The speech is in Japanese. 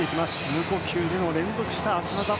無呼吸での連続した脚技。